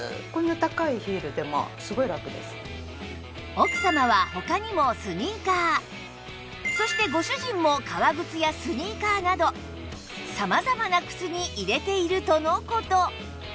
奥様は他にもスニーカーそしてご主人も革靴やスニーカーなど様々な靴に入れているとの事